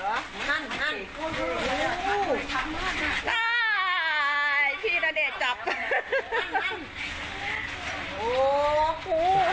อ้าวพี่ณเดชน์จับ